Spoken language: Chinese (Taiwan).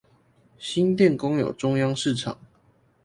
新店公有中央市場